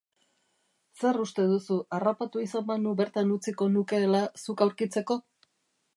Zer uste duzu, harrapatu izan banu bertan utziko nukeela zuk aurkitzeko?